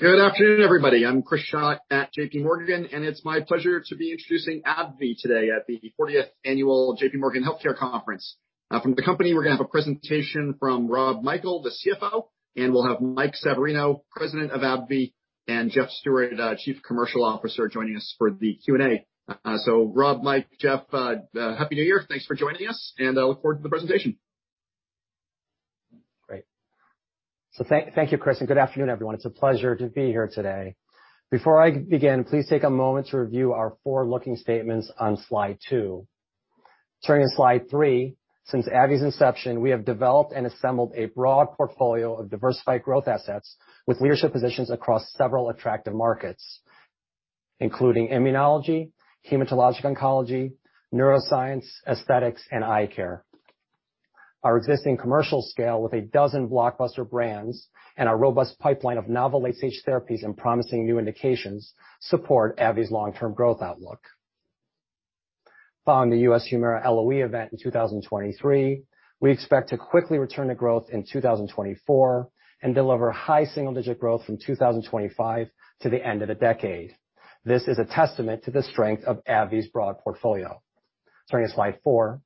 Good afternoon, everybody. I'm Chris Schott at JPMorgan, and it's my pleasure to be introducing AbbVie today at the 40th Annual JPMorgan Healthcare Conference. From the company, we're gonna have a presentation from Rob Michael, the CFO, and we'll have Mike Severino, President of AbbVie, and Jeff Stewart, Chief Commercial Officer, joining us for the Q&A. Rob, Mike, Jeff, Happy New Year. Thanks for joining us, and I look forward to the presentation. Great. Thank you, Chris, and good afternoon, everyone. It's a pleasure to be here today. Before I begin, please take a moment to review our forward-looking statements on slide two. Turning to slide three, since AbbVie's inception, we have developed and assembled a broad portfolio of diversified growth assets with leadership positions across several attractive markets, including immunology, hematologic oncology, neuroscience, aesthetics, and eye care. Our existing commercial scale with a dozen blockbuster brands and our robust pipeline of novel late-stage therapies and promising new indications support AbbVie's long-term growth outlook. Following the U.S. HUMIRA LOE event in 2023, we expect to quickly return to growth in 2024 and deliver high single-digit growth from 2025 to the end of the decade. This is a testament to the strength of AbbVie's broad portfolio. Turning to slide four,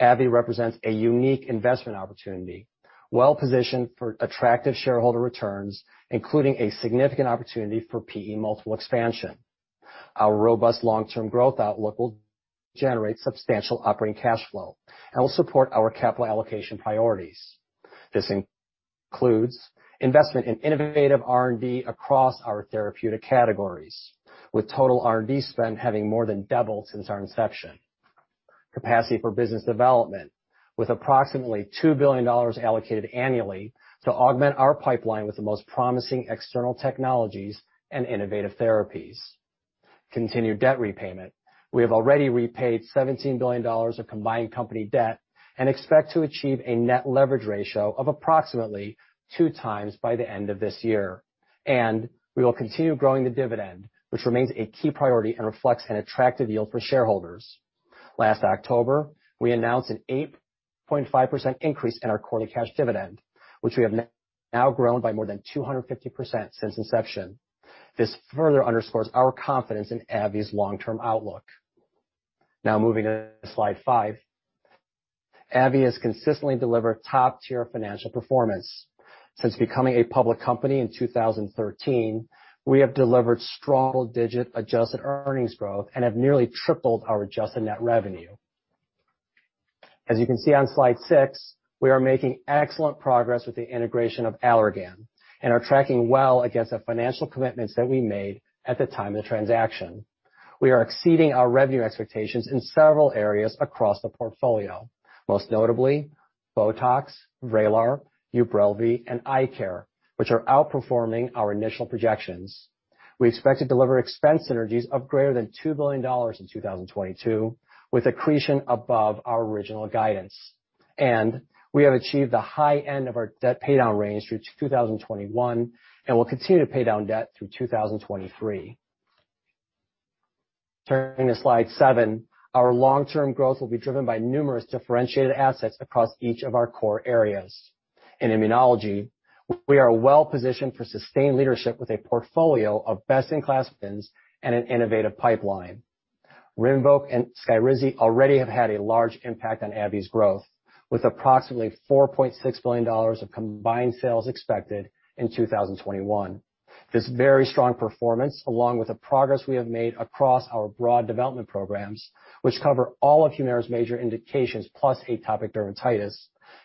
AbbVie represents a unique investment opportunity, well-positioned for attractive shareholder returns, including a significant opportunity for P/E multiple expansion. Our robust long-term growth outlook will generate substantial operating cash flow and will support our capital allocation priorities. This includes investment in innovative R&D across our therapeutic categories, with total R&D spend having more than doubled since our inception. Capacity for business development, with approximately $2 billion allocated annually to augment our pipeline with the most promising external technologies and innovative therapies. Continued debt repayment. We have already repaid $17 billion of combined company debt and expect to achieve a net leverage ratio of approximately 2x by the end of this year. We will continue growing the dividend, which remains a key priority and reflects an attractive yield for shareholders. Last October, we announced an 8.5% increase in our quarterly cash dividend, which we have now grown by more than 250% since inception. This further underscores our confidence in AbbVie's long-term outlook. Now moving to slide five. AbbVie has consistently delivered top-tier financial performance. Since becoming a public company in 2013, we have delivered strong double-digit adjusted earnings growth and have nearly tripled our adjusted net revenue. As you can see on slide six, we are making excellent progress with the integration of Allergan and are tracking well against the financial commitments that we made at the time of the transaction. We are exceeding our revenue expectations in several areas across the portfolio, most notably Botox, Vraylar, Ubrelvy, and Eye Care, which are outperforming our initial projections. We expect to deliver expense synergies of greater than $2 billion in 2022, with accretion above our original guidance. We have achieved the high end of our debt paydown range through to 2021, and will continue to pay down debt through 2023. Turning to slide seven, our long-term growth will be driven by numerous differentiated assets across each of our core areas. In immunology, we are well-positioned for sustained leadership with a portfolio of best-in-class pins and an innovative pipeline. RINVOQ and SKYRIZI already have had a large impact on AbbVie's growth, with approximately $4.6 billion of combined sales expected in 2021. This very strong performance, along with the progress we have made across our broad development programs, which cover all of HUMIRA's major indications plus atopic dermatitis,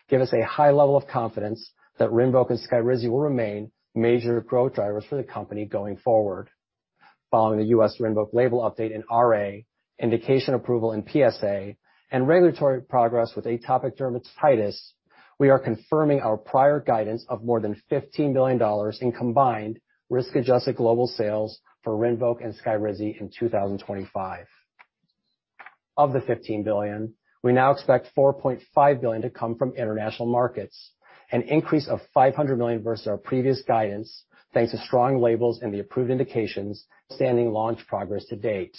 give us a high level of confidence that RINVOQ and SKYRIZI will remain major growth drivers for the company going forward. Following the U.S. RINVOQ label update in RA, indication approval in PSA, and regulatory progress with atopic dermatitis, we are confirming our prior guidance of more than $15 billion in combined risk-adjusted global sales for RINVOQ and SKYRIZI in 2025. Of the $15 billion, we now expect $4.5 billion to come from international markets, an increase of $500 million versus our previous guidance, thanks to strong labels and the approved indications standout launch progress to date.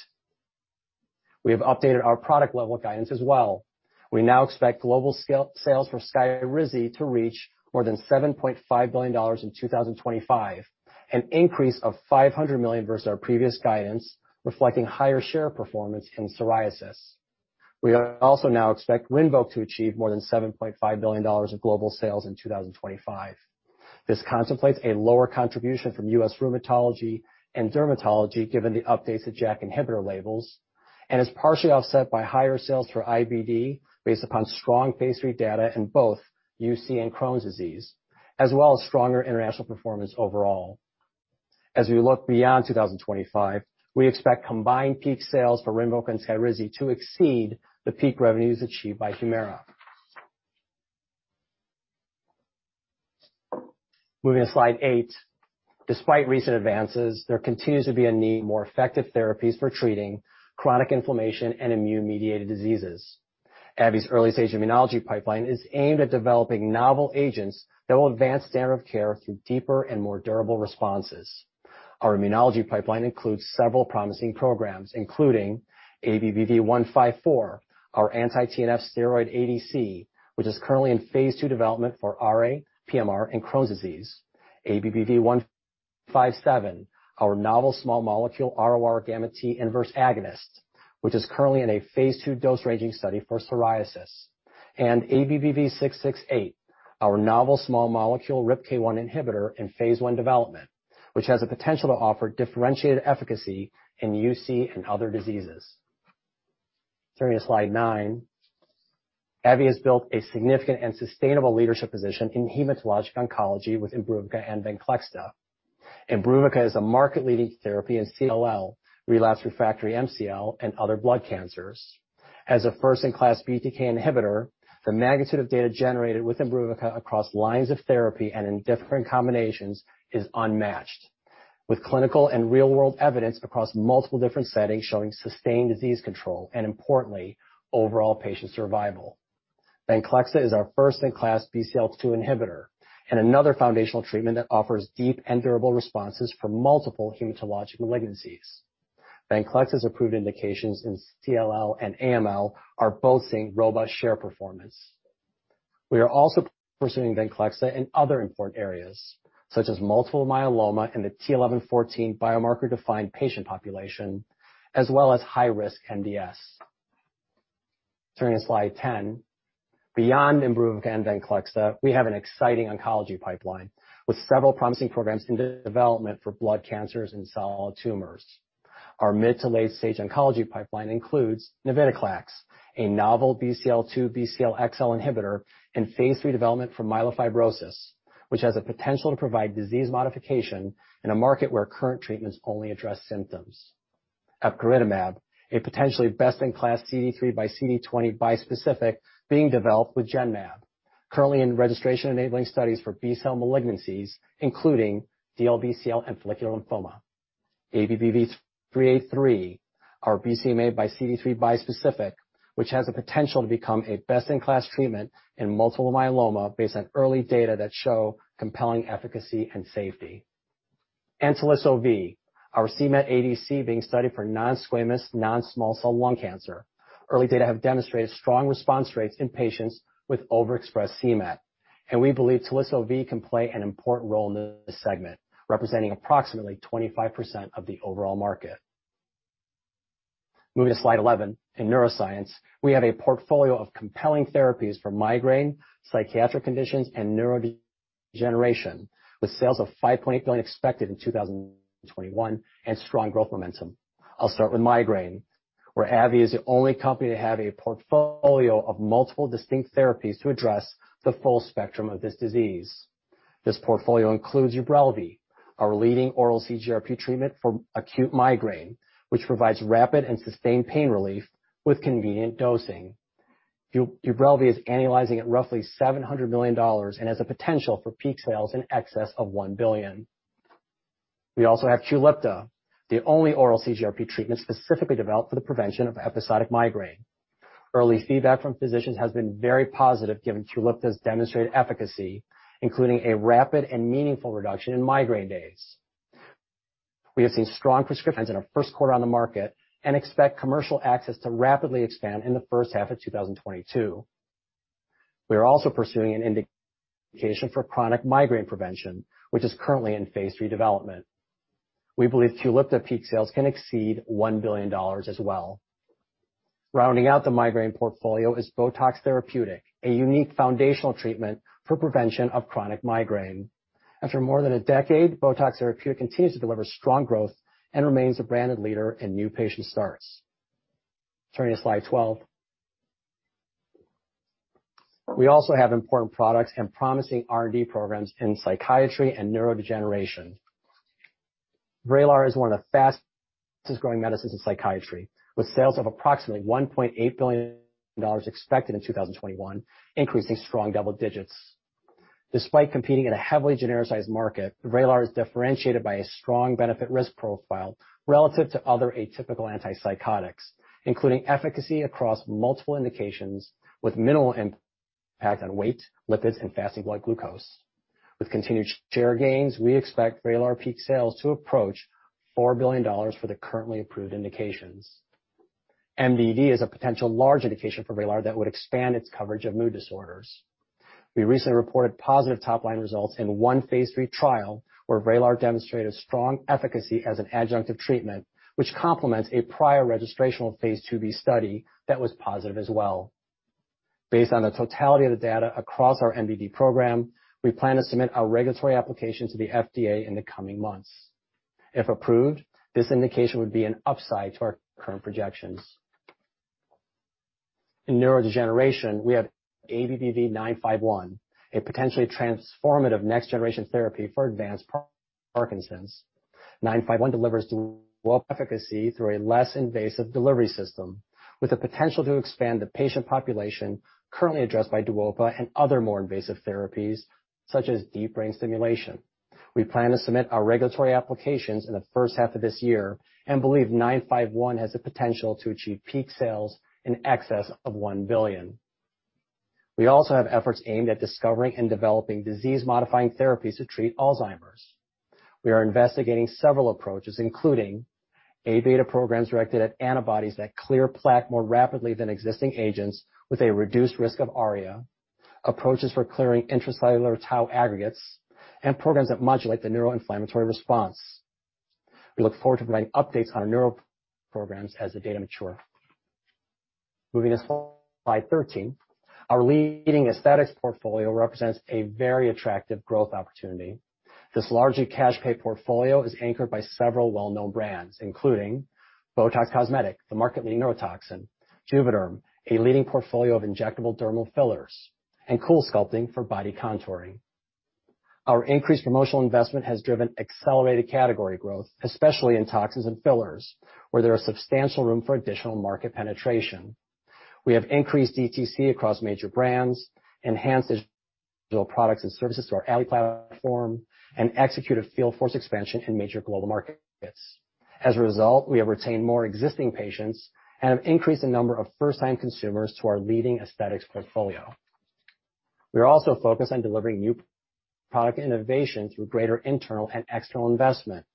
We have updated our product level guidance as well. We now expect global sales for SKYRIZI to reach more than $7.5 billion in 2025, an increase of $500 million versus our previous guidance, reflecting higher share performance in psoriasis. We also now expect RINVOQ to achieve more than $7.5 billion of global sales in 2025. This contemplates a lower contribution from U.S. rheumatology and dermatology, given the updates to JAK inhibitor labels, and is partially offset by higher sales for IBD based upon strong phase III data in both UC and Crohn's disease, as well as stronger international performance overall. As we look beyond 2025, we expect combined peak sales for RINVOQ and SKYRIZI to exceed the peak revenues achieved by HUMIRA. Moving to slide eight. Despite recent advances, there continues to be a need for more effective therapies for treating chronic inflammation and immune-mediated diseases. AbbVie's early-stage immunology pipeline is aimed at developing novel agents that will advance standard of care through deeper and more durable responses. Our immunology pipeline includes several promising programs, including ABBV-154, our anti-TNF steroid ADC, which is currently in phase II development for RA, PMR, and Crohn's disease. ABBV-157, our novel small molecule RORγt inverse agonist, which is currently in a phase II dose-ranging study for psoriasis. ABBV-668, our novel small molecule RIPK1 inhibitor in phase I development, which has the potential to offer differentiated efficacy in UC and other diseases. Turning to slide nine. AbbVie has built a significant and sustainable leadership position in hematologic oncology with IMBRUVICA and VENCLEXTA. IMBRUVICA is a market-leading therapy in CLL, relapsed/refractory MCL, and other blood cancers. As a first-in-class BTK inhibitor, the magnitude of data generated with IMBRUVICA across lines of therapy and in different combinations is unmatched, with clinical and real-world evidence across multiple different settings showing sustained disease control and, importantly, overall patient survival. VENCLEXTA is our first-in-class BCL-2 inhibitor and another foundational treatment that offers deep and durable responses for multiple hematologic malignancies. VENCLEXTA's approved indications in CLL and AML are both seeing robust share performance. We are also pursuing VENCLEXTA in other important areas, such as multiple myeloma in the t(11;14) biomarker-defined patient population, as well as high-risk MDS. Turning to slide 10. Beyond IMBRUVICA and VENCLEXTA, we have an exciting oncology pipeline with several promising programs in development for blood cancers and solid tumors. Our mid- to late-stage oncology pipeline includes navitoclax, a novel BCL-2/BCL-XL inhibitor in phase III development for myelofibrosis, which has the potential to provide disease modification in a market where current treatments only address symptoms. Epcoritamab, a potentially best-in-class CD3 by CD20 bispecific being developed with Genmab, currently in registration-enabling studies for B cell malignancies, including DLBCL and follicular lymphoma. ABBV-383, our BCMA by CD3 bispecific, which has the potential to become a best-in-class treatment in multiple myeloma based on early data that show compelling efficacy and safety. Teliso-V, our c-Met ADC being studied for non-squamous, non-small cell lung cancer. Early data have demonstrated strong response rates in patients with overexpressed c-Met, and we believe Teliso-V can play an important role in this segment, representing approximately 25% of the overall market. Moving to slide 11. In neuroscience, we have a portfolio of compelling therapies for migraine, psychiatric conditions, and neurodegeneration, with sales of $5.8 billion expected in 2021 and strong growth momentum. I'll start with migraine, where AbbVie is the only company to have a portfolio of multiple distinct therapies to address the full spectrum of this disease. This portfolio includes UBRELVY, our leading oral CGRP treatment for acute migraine, which provides rapid and sustained pain relief with convenient dosing. UBRELVY is annualizing at roughly $700 million and has the potential for peak sales in excess of $1 billion. We also have QULIPTA, the only oral CGRP treatment specifically developed for the prevention of episodic migraine. Early feedback from physicians has been very positive given QULIPTA's demonstrated efficacy, including a rapid and meaningful reduction in migraine days. We have seen strong prescriptions in our first quarter on the market and expect commercial access to rapidly expand in the H1 of 2022. We are also pursuing an indication for chronic migraine prevention, which is currently in phase III development. We believe QULIPTA peak sales can exceed $1 billion as well. Rounding out the migraine portfolio is BOTOX therapeutic, a unique foundational treatment for prevention of chronic migraine. After more than a decade, BOTOX therapeutic continues to deliver strong growth and remains a branded leader in new patient starts. Turning to slide 12. We also have important products and promising R&D programs in psychiatry and neurodegeneration. VRAYLAR is one of the fastest-growing medicines in psychiatry, with sales of approximately $1.8 billion expected in 2021, increasing strong double digits. Despite competing in a heavily genericized market, VRAYLAR is differentiated by a strong benefit risk profile relative to other atypical antipsychotics, including efficacy across multiple indications with minimal impact on weight, lipids, and fasting blood glucose. With continued share gains, we expect VRAYLAR peak sales to approach $4 billion for the currently approved indications. MDD is a potential large indication for VRAYLAR that would expand its coverage of mood disorders. We recently reported positive top-line results in one phase III trial where VRAYLAR demonstrated strong efficacy as an adjunctive treatment, which complements a prior registrational phase IIb study that was positive as well. Based on the totality of the data across our MDD program, we plan to submit our regulatory application to the FDA in the coming months. If approved, this indication would be an upside to our current projections. In neurodegeneration, we have ABBV-951, a potentially transformative next-generation therapy for advanced Parkinson's. 951 delivers dual efficacy through a less invasive delivery system, with the potential to expand the patient population currently addressed by DUOPA and other more invasive therapies such as deep brain stimulation. We plan to submit our regulatory applications in the first half of this year and believe 951 has the potential to achieve peak sales in excess of $1 billion. We also have efforts aimed at discovering and developing disease-modifying therapies to treat Alzheimer's. We are investigating several approaches, including Aβ programs directed at antibodies that clear plaque more rapidly than existing agents with a reduced risk of ARIA, approaches for clearing intracellular tau aggregates, and programs that modulate the neuroinflammatory response. We look forward to providing updates on our neural programs as the data mature. Moving to slide thirteen, our leading aesthetics portfolio represents a very attractive growth opportunity. This largely cash-pay portfolio is anchored by several well-known brands, including BOTOX Cosmetic, the market-leading neurotoxin, JUVÉDERM, a leading portfolio of injectable dermal fillers, and CoolSculpting for body contouring. Our increased promotional investment has driven accelerated category growth, especially in toxins and fillers, where there are substantial room for additional market penetration. We have increased DTC across major brands, enhanced digital products and services to our Allē platform, and executed field force expansion in major global markets. As a result, we have retained more existing patients and have increased the number of first-time consumers to our leading aesthetics portfolio. We are also focused on delivering new product innovation through greater internal and external investment.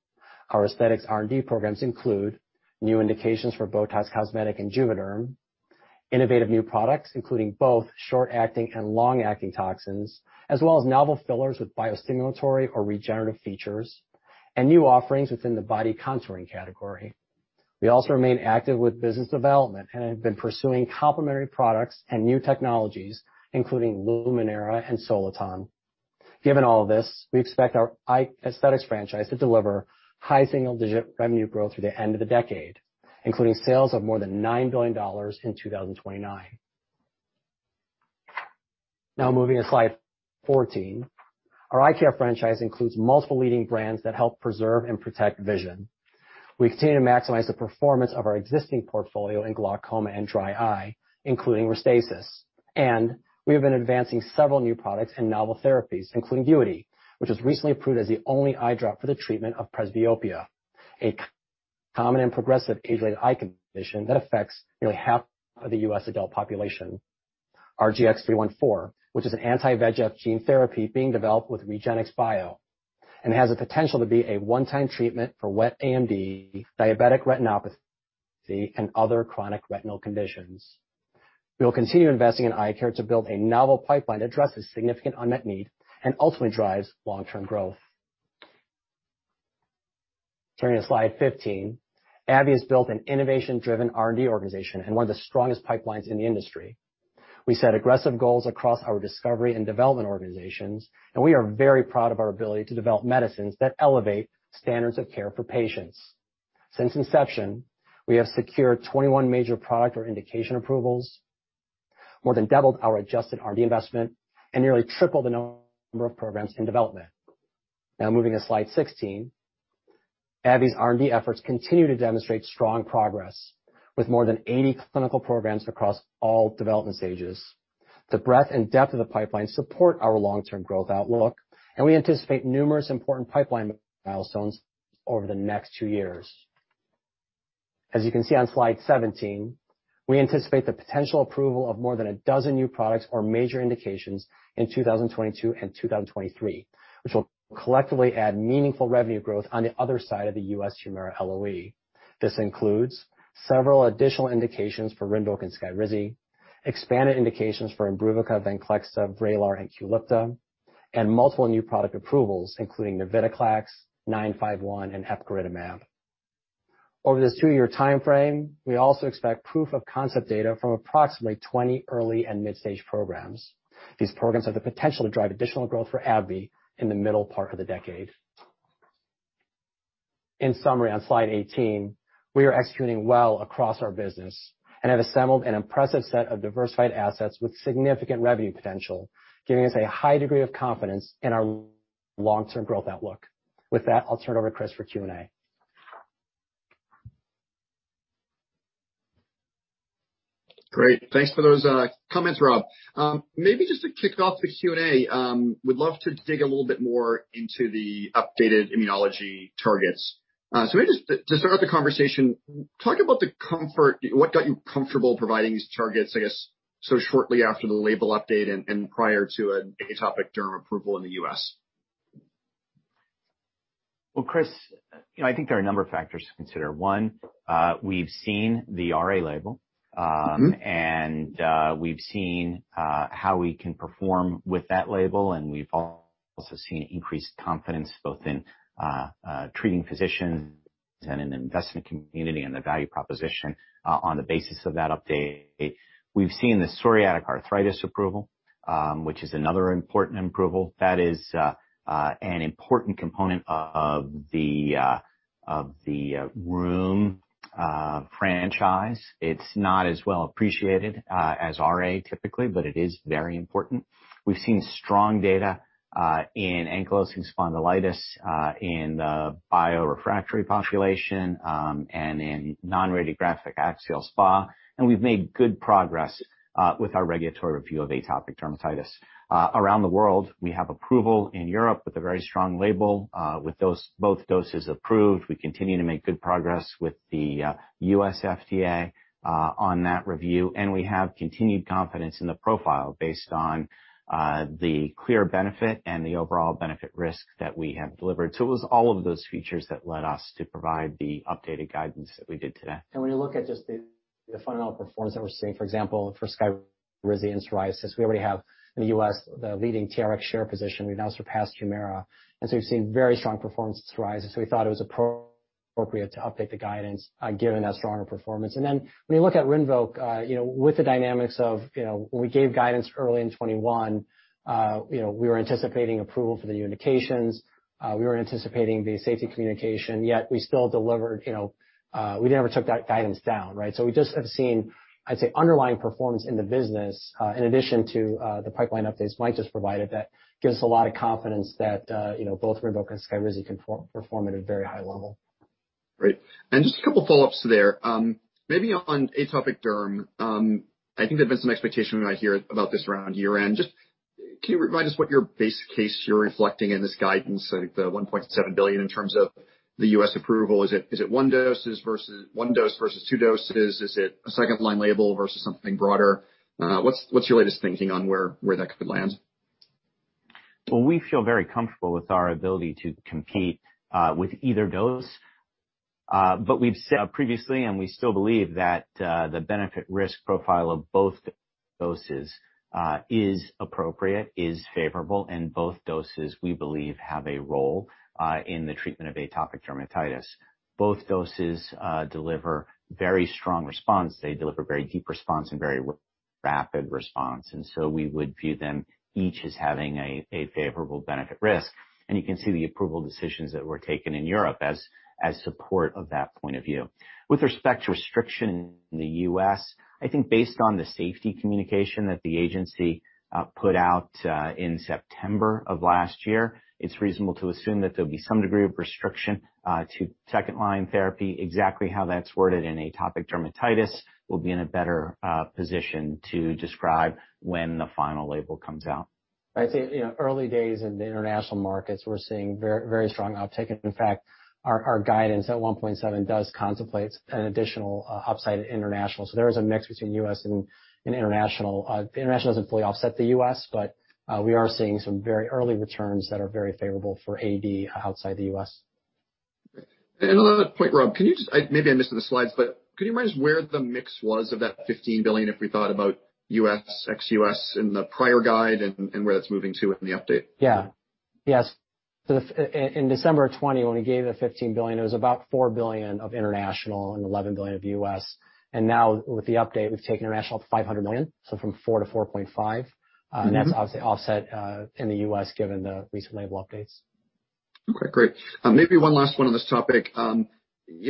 Our aesthetics R&D programs include new indications for BOTOX Cosmetic and JUVÉDERM, innovative new products, including both short-acting and long-acting toxins, as well as novel fillers with biostimulatory or regenerative features and new offerings within the body contouring category. We also remain active with business development and have been pursuing complementary products and new technologies, including Luminera and Soliton. Given all this, we expect our eye aesthetics franchise to deliver high single-digit revenue growth through the end of the decade, including sales of more than $9 billion in 2029. Now moving to slide 14. Our eye care franchise includes multiple leading brands that help preserve and protect vision. We continue to maximize the performance of our existing portfolio in glaucoma and dry eye, including RESTASIS, and we have been advancing several new products and novel therapies, including VUITY, which was recently approved as the only eye drop for the treatment of presbyopia, a common and progressive age-related eye condition that affects nearly half of the U.S. adult population. Our GX 314, which is an anti-VEGF gene therapy being developed with REGENXBIO and has the potential to be a one-time treatment for wet AMD, diabetic retinopathy, and other chronic retinal conditions. We will continue investing in eye care to build a novel pipeline that addresses significant unmet need and ultimately drives long-term growth. Turning to slide 15, AbbVie has built an innovation-driven R&D organization and one of the strongest pipelines in the industry. We set aggressive goals across our discovery and development organizations, and we are very proud of our ability to develop medicines that elevate standards of care for patients. Since inception, we have secured 21 major product or indication approvals, more than doubled our adjusted R&D investment, and nearly tripled the number of programs in development. Now moving to slide 16. AbbVie's R&D efforts continue to demonstrate strong progress with more than 80 clinical programs across all development stages. The breadth and depth of the pipeline support our long-term growth outlook, and we anticipate numerous important pipeline milestones over the next two years. As you can see on slide 17, we anticipate the potential approval of more than a dozen new products or major indications in 2022 and 2023, which will collectively add meaningful revenue growth on the other side of the U.S. HUMIRA LOE. This includes several additional indications for RINVOQ and SKYRIZI, expanded indications for IMBRUVICA, VENCLEXTA, VRAYLAR, and QULIPTA, and multiple new product approvals, including navitoclax, ABBV-951, and epcoritamab. Over this two-year timeframe, we also expect proof of concept data from approximately 20 early and mid-stage programs. These programs have the potential to drive additional growth for AbbVie in the middle part of the decade. In summary, on slide 18, we are executing well across our business and have assembled an impressive set of diversified assets with significant revenue potential, giving us a high degree of confidence in our long-term growth outlook. With that, I'll turn it over to Chris for Q&A. Great. Thanks for those comments, Rob. Maybe just to kick off the Q&A, would love to dig a little bit more into the updated immunology targets. So maybe just to start the conversation, talk about the comfort. What got you comfortable providing these targets, I guess, so shortly after the label update and prior to an atopic derm approval in the U.S.? Well, Chris, you know, I think there are a number of factors to consider. One, we've seen the RA label. Mm-hmm. We've seen how we can perform with that label, and we've also seen increased confidence both in treating physicians and in the investment community and the value proposition on the basis of that update. We've seen the psoriatic arthritis approval, which is another important approval. That is an important component of the rheum franchise. It's not as well appreciated as RA typically, but it is very important. We've seen strong data in ankylosing spondylitis in the biologic-refractory population and in non-radiographic axial SpA, and we've made good progress with our regulatory review of atopic dermatitis. Around the world, we have approval in Europe with a very strong label with both those doses approved. We continue to make good progress with the U.S. FDA on that review, and we have continued confidence in the profile based on the clear benefit and the overall benefit risk that we have delivered. It was all of those features that led us to provide the updated guidance that we did today. When you look at just the final performance that we're seeing, for example, for SKYRIZI in psoriasis. We already have in the U.S. the leading TRX share position. We've now surpassed HUMIRA. We've seen very strong performance with psoriasis. We thought it was appropriate to update the guidance, given that stronger performance. When you look at RINVOQ, you know, with the dynamics of, you know, when we gave guidance early in 2021, you know, we were anticipating approval for the new indications. We were anticipating the safety communication, yet we still delivered, you know, we never took that guidance down, right? We just have seen, I'd say, underlying performance in the business, in addition to the pipeline updates Mike just provided, that gives a lot of confidence that, you know, both RINVOQ and SKYRIZI can perform at a very high level. Great. Just a couple follow-ups there. Maybe on atopic derm. I think there've been some expectation we might hear about this around year-end. Just can you remind us what your base case you're reflecting in this guidance, like the $1.7 billion in terms of the U.S. approval? Is it one dose versus two doses? Is it a second line label versus something broader? What's your latest thinking on where that could land? Well, we feel very comfortable with our ability to compete with either dose. We've said previously, and we still believe that the benefit-risk profile of both doses is appropriate, is favorable, and both doses, we believe, have a role in the treatment of atopic dermatitis. Both doses deliver very strong response. They deliver very deep response and very rapid response. We would view them each as having a favorable benefit-risk. You can see the approval decisions that were taken in Europe as support of that point of view. With respect to restriction in the U.S., I think based on the safety communication that the agency put out in September of last year, it's reasonable to assume that there'll be some degree of restriction to second-line therapy. Exactly how that's worded in atopic dermatitis, we'll be in a better position to describe when the final label comes out. I'd say, you know, early days in the international markets, we're seeing very, very strong uptake. In fact, our guidance at 1.7 does contemplate an additional upside in international. There is a mix between U.S. and international. International doesn't fully offset the U.S., but we are seeing some very early returns that are very favorable for AD outside the U.S. Great. Another point, Rob, maybe I missed it in the slides, but could you remind us where the mix was of that $15 billion if we thought about U.S., ex-U.S. in the prior guide and where that's moving to in the update? In December of 2020, when we gave the $15 billion, it was about $4 billion of international and $11 billion of U.S.. Now with the update, we've taken international up $500 million, so from $4 billion-$4.5 billion. Mm-hmm. That's obviously offset in the U.S. given the recent label updates. Okay, great. Maybe one last one on this topic. You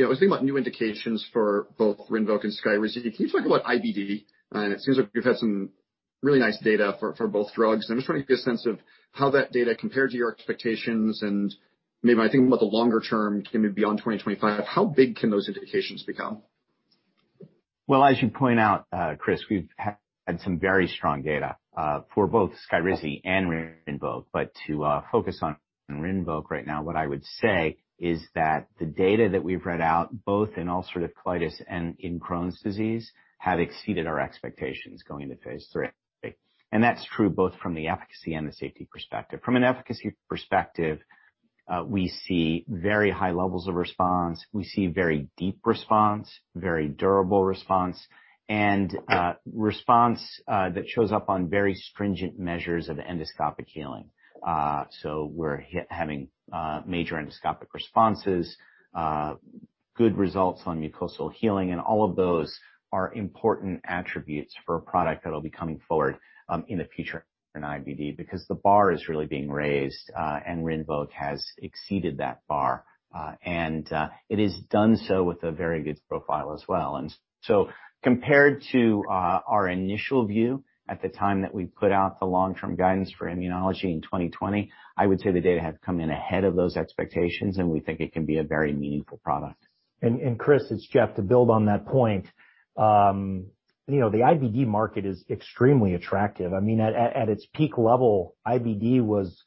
know, I was thinking about new indications for both RINVOQ and SKYRIZI. Can you talk about IBD? It seems like you've had some really nice data for both drugs. I'm just trying to get a sense of how that data compared to your expectations and maybe, I think about the longer term, maybe beyond 2025, how big can those indications become? Well, as you point out, Chris, we've had some very strong data for both SKYRIZI and RINVOQ. To focus on RINVOQ right now, what I would say is that the data that we've read out, both in ulcerative colitis and in Crohn's disease, have exceeded our expectations going into phase III. That's true both from the efficacy and the safety perspective. From an efficacy perspective, we see very high levels of response. We see very deep response, very durable response, and response that shows up on very stringent measures of endoscopic healing. So we're having major endoscopic responses, good results on mucosal healing, and all of those are important attributes for a product that'll be coming forward in the future in IBD, because the bar is really being raised, and RINVOQ has exceeded that bar. It has done so with a very good profile as well. Compared to our initial view at the time that we put out the long-term guidance for immunology in 2020, I would say the data have come in ahead of those expectations, and we think it can be a very meaningful product. Chris, it's Jeff. To build on that point, you know, the IBD market is extremely attractive. I mean, at its peak level, IBD was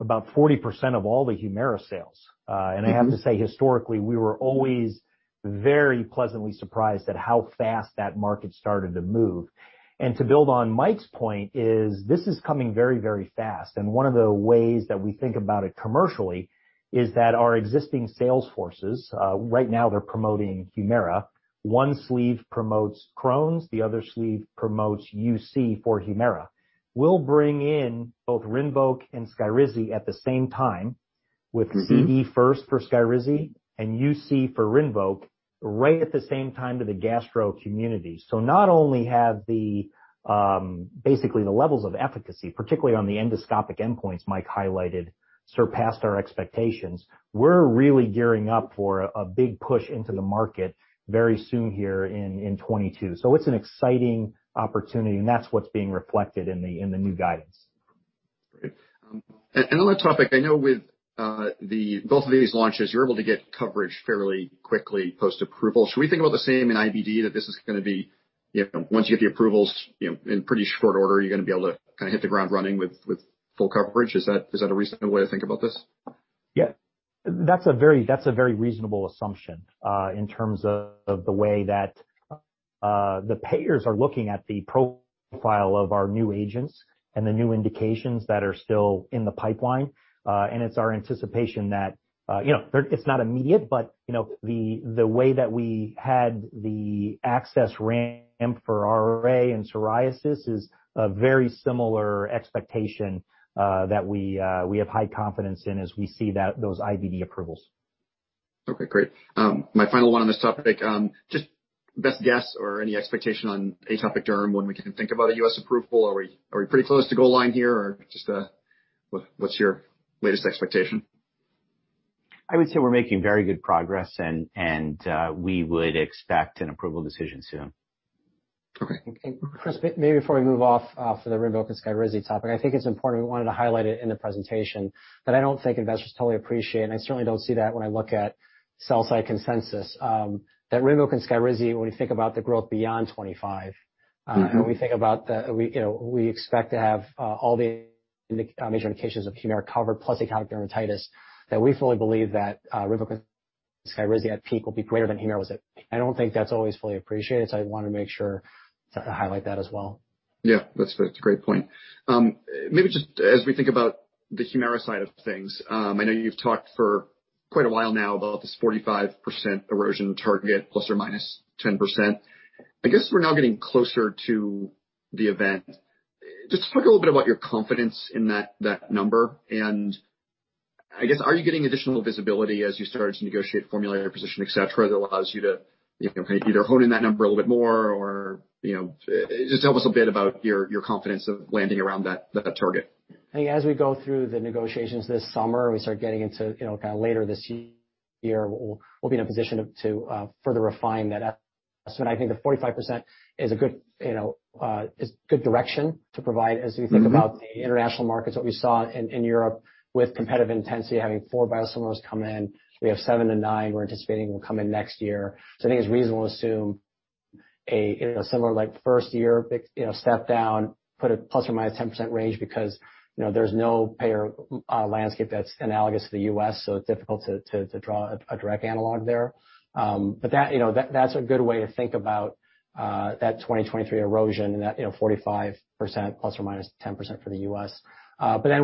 about 40% of all the HUMIRA sales. Mm-hmm. I have to say historically, we were always very pleasantly surprised at how fast that market started to move. To build on Mike's point is this is coming very, very fast. One of the ways that we think about it commercially is that our existing sales forces, right now they're promoting HUMIRA. One sleeve promotes Crohn's, the other sleeve promotes UC for HUMIRA. We'll bring in both RINVOQ and SKYRIZI at the same time. Mm-hmm. With CD first for SKYRIZI and UC for RINVOQ right at the same time to the gastro community. Not only have basically the levels of efficacy, particularly on the endoscopic endpoints Mike highlighted, surpassed our expectations, we're really gearing up for a big push into the market very soon here in 2022. It's an exciting opportunity, and that's what's being reflected in the new guidance. Great. Another topic. I know with both of these launches, you're able to get coverage fairly quickly post-approval. Should we think about the same in IBD, that this is gonna be, you know, once you get the approvals, you know, in pretty short order, you're gonna be able to kinda hit the ground running with full coverage? Is that a reasonable way to think about this? Yeah. That's a very reasonable assumption in terms of the way that the payers are looking at the profile of our new agents and the new indications that are still in the pipeline. It's our anticipation that, you know, it's not immediate, but, you know, the way that we had the access ramp for RA and psoriasis is a very similar expectation that we have high confidence in as we see those IBD approvals. Okay, great. My final one on this topic, just best guess or any expectation on atopic derm when we can think about a U.S. approval. Are we pretty close to goal line here or just, what's your latest expectation? I would say we're making very good progress and we would expect an approval decision soon. Okay. Chris, maybe before we move off for the RINVOQ and SKYRIZI topic, I think it's important. We wanted to highlight it in the presentation, but I don't think investors totally appreciate, and I certainly don't see that when I look at sell side consensus, that RINVOQ and SKYRIZI, when we think about the growth beyond 2025, and we think about the we, you know, we expect to have all the major indications of HUMIRA covered, plus atopic dermatitis, that we fully believe that RINVOQ and SKYRIZI at peak will be greater than HUMIRA was at peak. I don't think that's always fully appreciated. I wanna make sure to highlight that as well. Yeah, that's a great point. Maybe just as we think about the HUMIRA side of things, I know you've talked for quite a while now about this 45% erosion target, ±10%. I guess we're now getting closer to the event. Just talk a little bit about your confidence in that number. I guess, are you getting additional visibility as you start to negotiate formulary position, et cetera, that allows you to, you know, either hone in that number a little bit more or, you know, just tell us a bit about your confidence of landing around that target. I think as we go through the negotiations this summer, we start getting into, you know, kind of later this year, we'll be in a position to further refine that estimate. I think the 45% is a good, you know, is good direction to provide as we think about the international markets, what we saw in Europe with competitive intensity having four biosimilars come in. We have seven and nine we're anticipating will come in next year. I think it's reasonable to assume a, you know, similar like first year, you know, step down, put a ±10% range because, you know, there's no payer landscape that's analogous to the U.S., so it's difficult to draw a direct analog there. That's a good way to think about that 2023 erosion and that, you know, 45% ±10% for the U.S..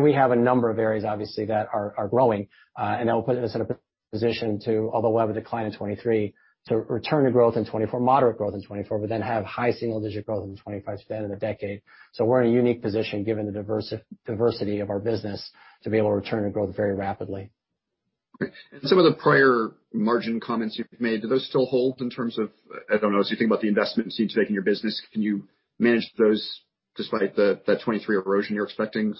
We have a number of areas obviously that are growing, and that will put us in a position to, although we'll have a decline in 2023, return to growth in 2024, moderate growth in 2024, then have high single digit growth in 2025, expand in a decade. We're in a unique position given the diversity of our business to be able to return to growth very rapidly. Great. Some of the prior margin comments you've made, do those still hold in terms of, I don't know, as you think about the investment you seem to make in your business, can you manage those despite that 23% erosion you're expecting?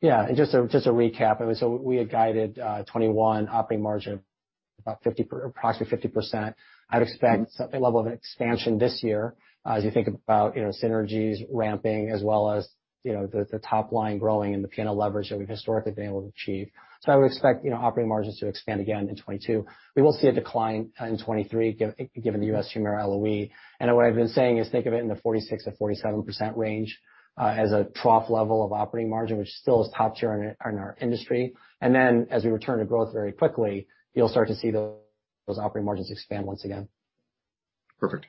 Yeah, just a recap. I mean, we had guided 2021 operating margin about 50%, approximately 50%. I'd expect some level of expansion this year as you think about, you know, synergies ramping as well as, you know, the top line growing and the P&L leverage that we've historically been able to achieve. I would expect, you know, operating margins to expand again in 2022. We will see a decline in 2023 given the U.S. HUMIRA LOE. What I've been saying is think of it in the 46%-47% range as a trough level of operating margin, which still is top tier in our industry. Then as we return to growth very quickly, you'll start to see those operating margins expand once again. Perfect.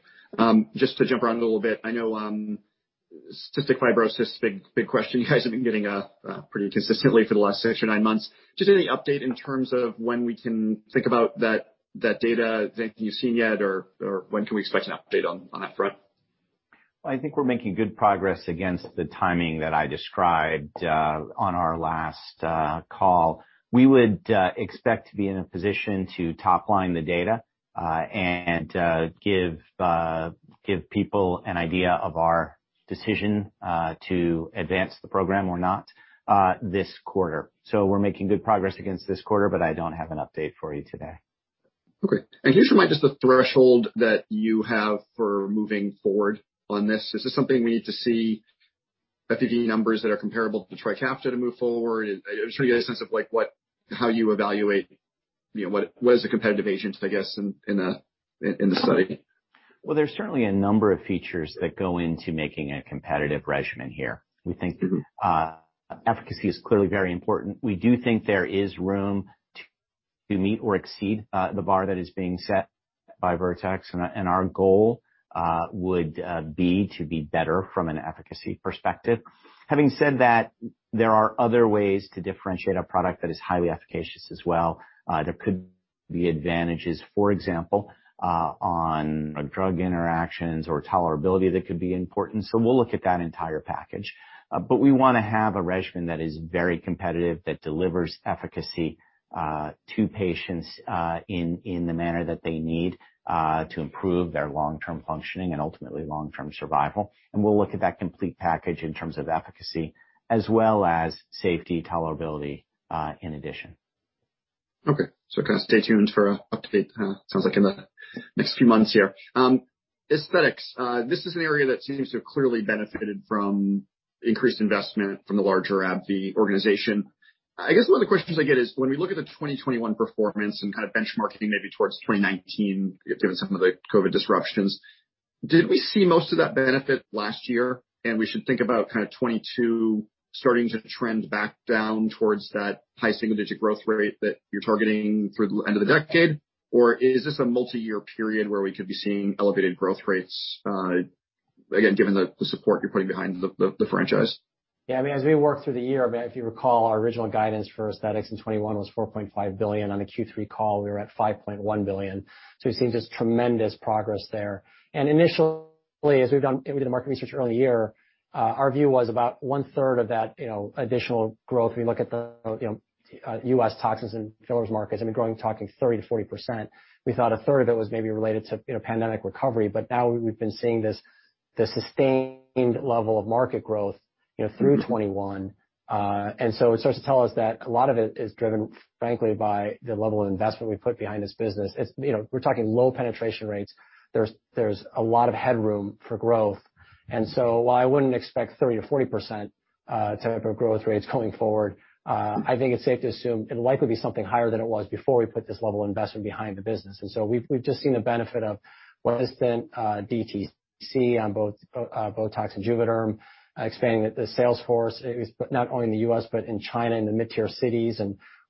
Just to jump around a little bit. I know cystic fibrosis, big question you guys have been getting pretty consistently for the last six or nine months. Just any update in terms of when we can think about that data. Anything you've seen yet or when can we expect an update on that front? I think we're making good progress against the timing that I described on our last call. We would expect to be in a position to top line the data and give people an idea of our decision to advance the program or not this quarter. We're making good progress against this quarter, but I don't have an update for you today. Okay. Can you remind just the threshold that you have for moving forward on this? Is this something we need to see FEV numbers that are comparable to Trikafta to move forward? Just for me to get a sense of like what, how you evaluate, you know, what is the competitive agents, I guess, in the study? Well, there's certainly a number of features that go into making a competitive regimen here. We think efficacy is clearly very important. We do think there is room to meet or exceed the bar that is being set by Vertex. And our goal would be to be better from an efficacy perspective. Having said that, there are other ways to differentiate a product that is highly efficacious as well. There could be advantages, for example, on drug interactions or tolerability that could be important. We'll look at that entire package. We wanna have a regimen that is very competitive, that delivers efficacy to patients in the manner that they need to improve their long-term functioning and ultimately long-term survival. We'll look at that complete package in terms of efficacy as well as safety tolerability, in addition. Okay. Kinda stay tuned for a update, sounds like in the next few months here. Aesthetics. This is an area that seems to have clearly benefited from increased investment from the larger AbbVie organization. I guess one of the questions I get is when we look at the 2021 performance and kind of benchmarking maybe towards 2019, given some of the COVID disruptions. Did we see most of that benefit last year, and we should think about kind of 2022 starting to trend back down towards that high single-digit growth rate that you're targeting through the end of the decade? Or is this a multi-year period where we could be seeing elevated growth rates, again, given the support you're putting behind the franchise? Yeah. I mean, as we work through the year, but if you recall, our original guidance for aesthetics in 2021 was $4.5 billion. On the Q3 call, we were at $5.1 billion. We've seen just tremendous progress there. Initially, we did the market research early in the year, our view was about one third of that, you know, additional growth. We look at the, you know, U.S. toxins and fillers markets, I mean, growing, talking 30%-40%. We thought a third of it was maybe related to, you know, pandemic recovery. Now we've been seeing this, the sustained level of market growth, you know, through 2021. It starts to tell us that a lot of it is driven, frankly, by the level of investment we put behind this business. It's, you know, we're talking low penetration rates. There's a lot of headroom for growth. While I wouldn't expect 30%-40% type of growth rates going forward, I think it's safe to assume it'll likely be something higher than it was before we put this level of investment behind the business. We've just seen the benefit of what has been DTC on both BOTOX and JUVÉDERM, expanding the sales force, not only in the U.S. but in China, in the mid-tier cities.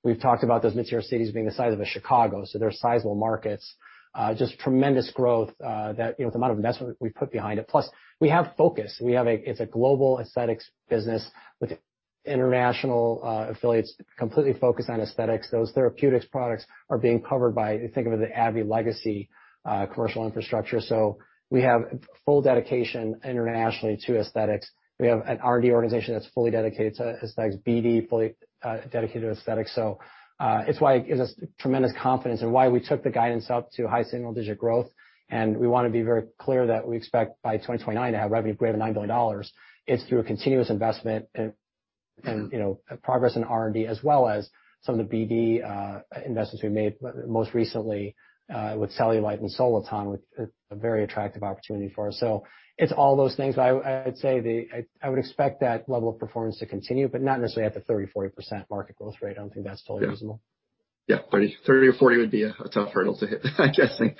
We've talked about those mid-tier cities being the size of a Chicago, so they're sizable markets. Just tremendous growth that, you know, the amount of investment we put behind it. Plus, we have focus. We have a global aesthetics business with international affiliates completely focused on aesthetics. Those therapeutics products are being covered by, think of it, the AbbVie legacy commercial infrastructure. We have full dedication internationally to aesthetics. We have an R&D organization that's fully dedicated to aesthetics, BD fully dedicated to aesthetics. It's why it gives us tremendous confidence in why we took the guidance up to high single-digit growth. We wanna be very clear that we expect by 2029 to have revenue greater than $9 billion. It's through a continuous investment and, you know, progress in R&D as well as some of the BD investments we made most recently with Cellulite and Soliton, which is a very attractive opportunity for us. It's all those things. I'd say I would expect that level of performance to continue, but not necessarily at the 30%-40% market growth rate. I don't think that's totally reasonable. Yeah. 30 or 40 would be a tough hurdle to hit, I'm guessing.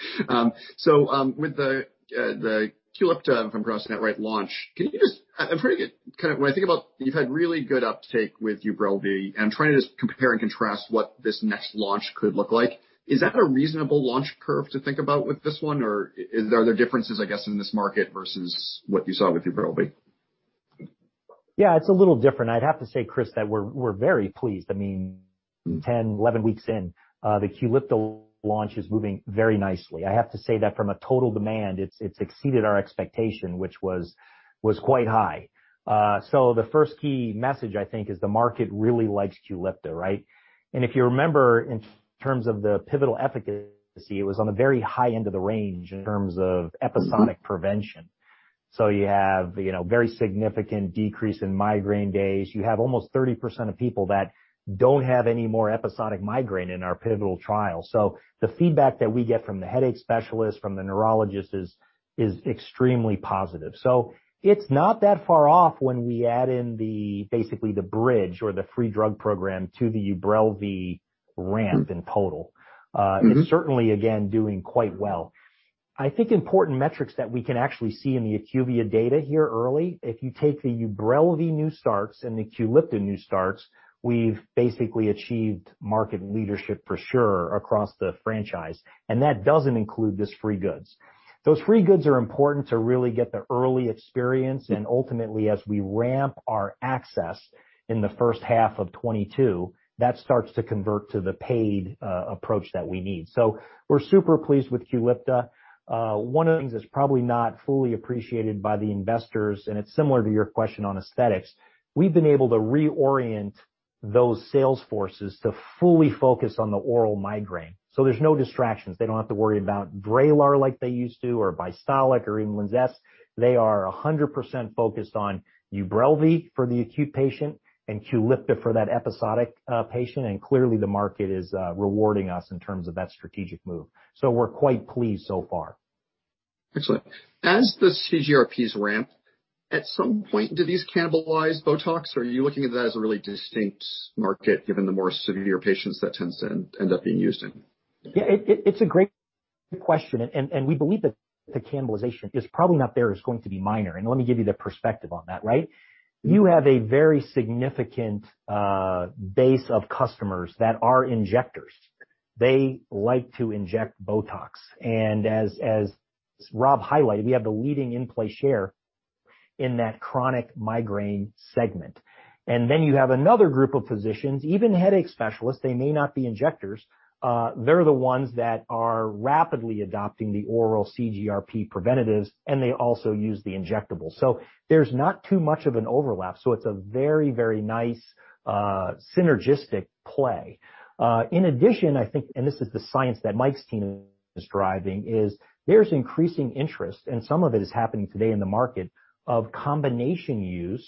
With the QULIPTA launch, if I'm pronouncing that right, I'm trying to get kind of when I think about, you've had really good uptake with UBRELVY, and I'm trying to just compare and contrast what this next launch could look like. Is that a reasonable launch curve to think about with this one? Or are there differences, I guess, in this market versus what you saw with UBRELVY? Yeah, it's a little different. I'd have to say, Chris, that we're very pleased. I mean, 10-11 weeks in, the QULIPTA launch is moving very nicely. I have to say that from a total demand, it's exceeded our expectation, which was quite high. The first key message, I think, is the market really likes QULIPTA, right? If you remember, in terms of the pivotal efficacy, it was on the very high end of the range in terms of episodic prevention. You have, you know, very significant decrease in migraine days. You have almost 30% of people that don't have any more episodic migraine in our pivotal trial. The feedback that we get from the headache specialists, from the neurologists is extremely positive. It's not that far off when we add in basically the bridge or the free drug program to the UBRELVY ramp in total. It's certainly, again, doing quite well. I think important metrics that we can actually see in the IQVIA data here early, if you take the UBRELVY new starts and the QULIPTA new starts, we've basically achieved market leadership for sure across the franchise, and that doesn't include these free goods. Those free goods are important to really get the early experience, and ultimately, as we ramp our access in the H1 of 2022, that starts to convert to the paid approach that we need. We're super pleased with QULIPTA. One of the things that's probably not fully appreciated by the investors, and it's similar to your question on aesthetics, we've been able to reorient those sales forces to fully focus on the oral migraine. There's no distractions. They don't have to worry about VRAYLAR like they used to or BYSTOLIC or even LINZESS. They are 100% focused on UBRELVY for the acute patient and QULIPTA for that episodic patient. Clearly, the market is rewarding us in terms of that strategic move. We're quite pleased so far. Excellent. As the CGRPs ramp, at some point, do these cannibalize BOTOX, or are you looking at that as a really distinct market, given the more severe patients that tends to end up being used in? Yeah, it's a great question, and we believe that the cannibalization is probably not there. It's going to be minor. Let me give you the perspective on that, right? You have a very significant base of customers that are injectors. They like to inject BOTOX. As Rob highlighted, we have the leading in-play share in that chronic migraine segment. Then you have another group of physicians, even headache specialists. They may not be injectors. They're the ones that are rapidly adopting the oral CGRP preventatives, and they also use the injectable. There's not too much of an overlap. It's a very, very nice synergistic play. in addition, I think, and this is the science that Mike's team is driving, is there's increasing interest, and some of it is happening today in the market, of combination use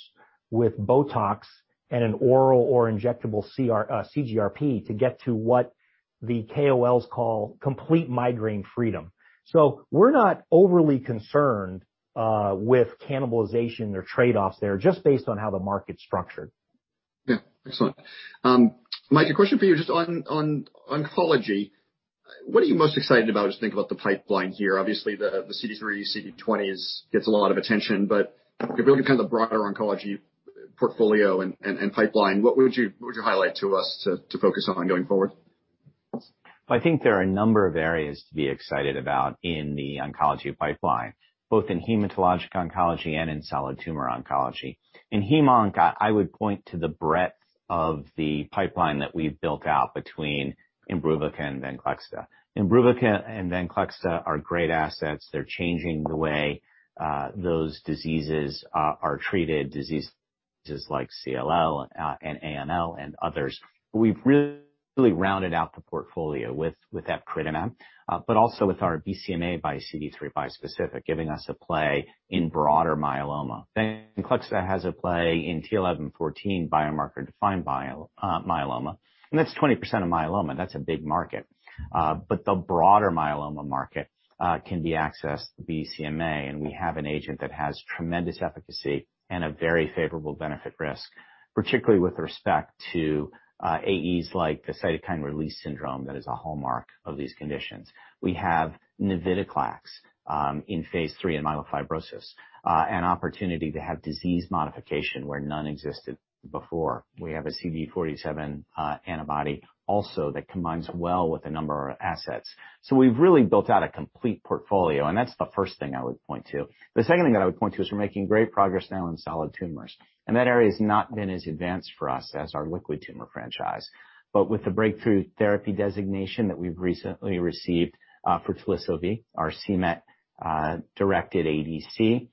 with BOTOX and an oral or injectable CGRP to get to what the KOLs call complete migraine freedom. So we're not overly concerned with cannibalization or trade-offs there, just based on how the market's structured. Yeah. Excellent. Mike, a question for you just on oncology. What are you most excited about as you think about the pipeline here? Obviously, the CD3, CD20s gets a lot of attention, but if you look at kind of the broader oncology portfolio and pipeline, what would you highlight to us to focus on going forward? Well, I think there are a number of areas to be excited about in the oncology pipeline, both in hematologic oncology and in solid tumor oncology. In hemonc, I would point to the breadth of the pipeline that we've built out between IMBRUVICA and VENCLEXTA. IMBRUVICA and VENCLEXTA are great assets. They're changing the way those diseases are treated, diseases like CLL and AML and others. We've really rounded out the portfolio with epacadstat, but also with our BCMA by CD3 bispecific, giving us a play in broader myeloma. VENCLEXTA has a play in t(11;14) biomarker-defined myeloma, and that's 20% of myeloma. That's a big market. The broader myeloma market can be accessed via BCMA, and we have an agent that has tremendous efficacy and a very favorable benefit-risk, particularly with respect to AEs like the cytokine release syndrome that is a hallmark of these conditions. We have navitoclax in phase III in myelofibrosis, an opportunity to have disease modification where none existed before. We have a CD47 antibody also that combines well with a number of our assets. We've really built out a complete portfolio, and that's the first thing I would point to. The second thing that I would point to is we're making great progress now in solid tumors, and that area has not been as advanced for us as our liquid tumor franchise. With the breakthrough therapy designation that we've recently received for Teliso-V, our c-Met directed ADC,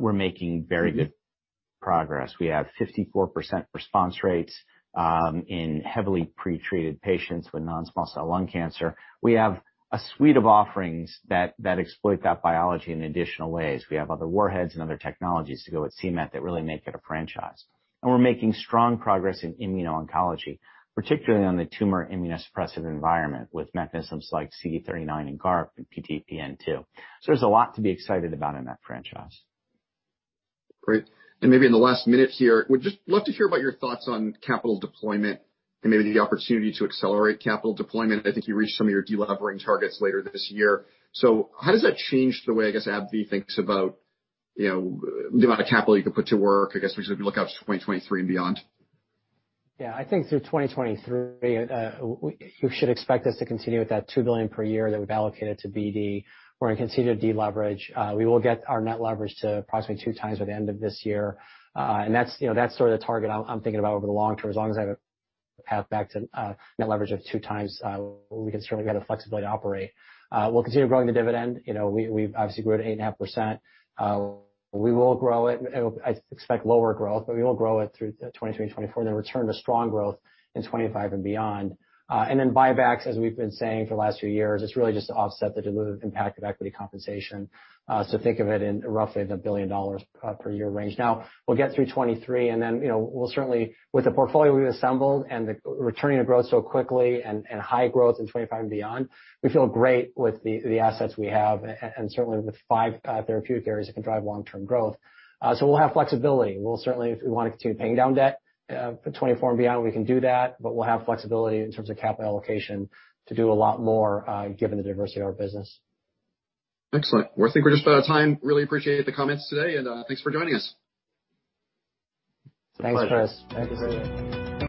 we're making very good progress. We have 54% response rates in heavily pretreated patients with non-small cell lung cancer. We have a suite of offerings that exploit that biology in additional ways. We have other warheads and other technologies to go with c-Met that really make it a franchise. We're making strong progress in immuno-oncology, particularly on the tumor immunosuppressive environment with mechanisms like CD39 and GARP and PTPN2. There's a lot to be excited about in that franchise. Great. Maybe in the last minute here, would just love to hear about your thoughts on capital deployment and maybe the opportunity to accelerate capital deployment. I think you reached some of your delevering targets later this year. How does that change the way, I guess, AbbVie thinks about, you know, the amount of capital you can put to work, I guess, as we look out to 2023 and beyond? Yeah, I think through 2023, you should expect us to continue with that $2 billion per year that we've allocated to BD. We're gonna continue to deleverage. We will get our net leverage to approximately 2x by the end of this year. That's, you know, that's sort of the target I'm thinking about over the long term. As long as I have a path back to net leverage of 2x, we can certainly get the flexibility to operate. We'll continue growing the dividend. You know, we've obviously grew it to 8.5%. We will grow it. I expect lower growth, but we will grow it through 2024, then return to strong growth in 2025 and beyond. Buybacks, as we've been saying for the last few years, it's really just to offset the dilutive impact of equity compensation. Think of it in roughly $1 billion per year range. Now, we'll get through 2023, and then, you know, we'll certainly with the portfolio we've assembled and returning to growth so quickly and high growth in 2025 and beyond, we feel great with the assets we have and certainly with five therapeutic areas that can drive long-term growth. We'll have flexibility. We'll certainly, if we wanna continue paying down debt, for 2024 and beyond, we can do that, but we'll have flexibility in terms of capital allocation to do a lot more, given the diversity of our business. Excellent. Well, I think we're just about out of time. I really appreciate the comments today and thanks for joining us. Thanks, Chris.